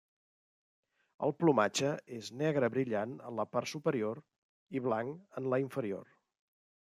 El plomatge és negre brillant en la part superior i blanc en la inferior.